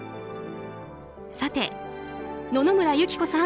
さて、野々村友紀子さん。